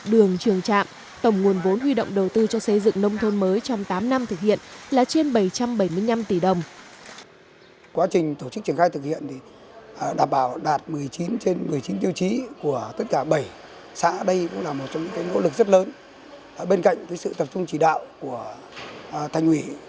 đường trường trạm tổng nguồn vốn huy động đầu tư cho xây dựng nông thôn mới trong tám năm thực hiện là trên bảy trăm bảy mươi năm tỷ đồng